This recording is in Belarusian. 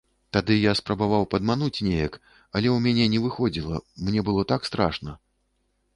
Тады я спрабаваў падмануць неяк, але ў мяне не выходзіла, мне было так страшна.